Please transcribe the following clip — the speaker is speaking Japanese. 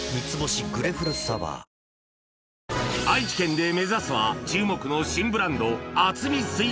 愛知県で目指すは注目の新ブランド